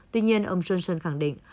tuy nhiên ông johnson khẳng định